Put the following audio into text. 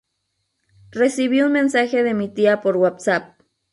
Recibí un mensaje de mi tía por whatsapp